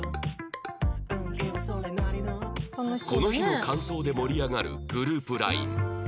この日の感想で盛り上がるグループ ＬＩＮＥ